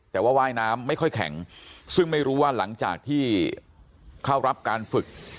แต่ว่าว่ายน้ำไม่ค่อยแข็งซึ่งไม่รู้ว่าหลังจากที่เข้ารับการฝึก